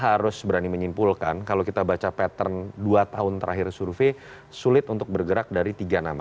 harus berani menyimpulkan kalau kita baca pattern dua tahun terakhir survei sulit untuk bergerak dari tiga nama